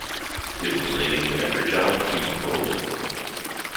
It was named after John T. Bowen.